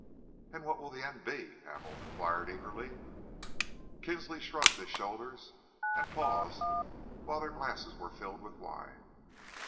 "And what will the end be?" Hamel enquired eagerly. Kinsley shrugged his shoulders and paused while their glasses were filled with wine.